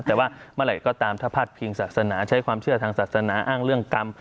แต่ว่าเมื่อไหร่ก็ตามถ้าพลาดพิงศาสนาใช้ความเชื่อทางศาสนาอ้างเรื่องกรรม